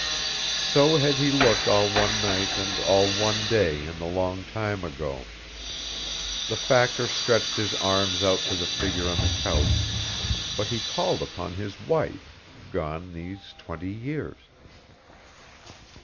So had he looked all one night and all one day in the long time ago. The Factor stretched his arms out to the figure on the couch, but he called upon his wife, gone these twenty years.